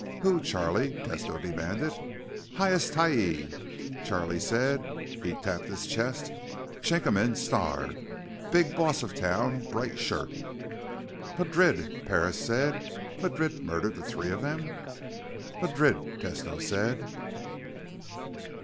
"Who, Charlie?" Tesno demanded. "Hyas tyee," Charlie said. He tapped his chest. "Chikamin star. Big boss of town. Bright shirt." "Madrid!" Parris said. "Madrid murdered the three of them!" "Madrid," Tesno said.